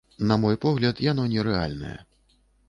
На мой погляд, яно не рэальнае.